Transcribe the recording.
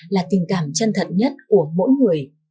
là tình cảm chân thật nhất của mỗi người